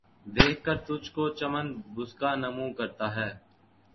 دیکھ کر تجھ کو ، چمن بسکہ نُمو کرتا ہے